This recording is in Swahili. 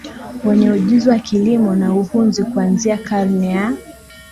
wenye ujuzi wa kilimo na uhunzi Kuanzia karne ya